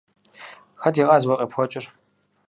Хэт и къаз уэ къепхуэкӏыр?